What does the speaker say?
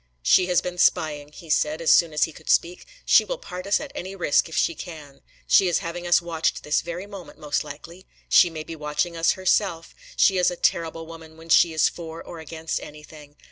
"She has been spying," he said, as soon as he could speak. "She will part us at any risk, if she can. She is having us watched this very moment, most likely. She may be watching us herself. She is a terrible woman when she is for or against anything.